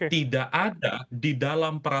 tidak ada di dalam